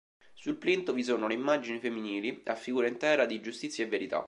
Sul plinto vi sono le immagini femminili, a figura intera, di Giustizia e Verità.